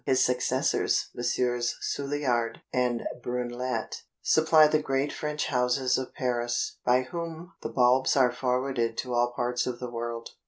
His successors, Messrs. Soulliard and Brunelet supply the great French houses of Paris, by whom the bulbs are forwarded to all parts of the world.